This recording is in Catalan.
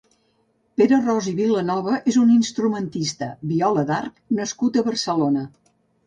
Pere Ros i Vilanova és un instrumentista, viola d'arc nascut a Barcelona.